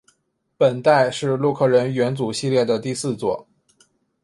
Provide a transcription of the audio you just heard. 本代是洛克人元祖系列的第四作。